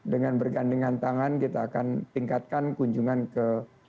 dengan bergandengan tangan kita akan tingkatkan kunjungan ke